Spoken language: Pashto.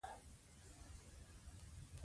دی زموږ د ټولنې یو روښانه ستوری دی.